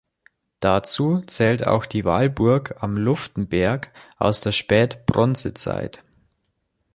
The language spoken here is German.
Dazu zählt auch die Wallburg am Luftenberg aus der Spät-Bronzezeit.